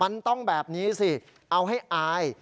มันต้องแบบนี้สิเอาให้อาย